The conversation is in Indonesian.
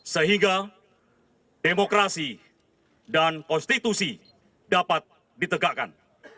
sehingga demokrasi dan konstitusi dapat ditegakkan